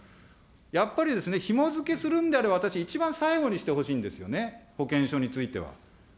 やっぱりですね、ひもづけするんであれば、私、一番最後にしてほしいんですよね、保険証については。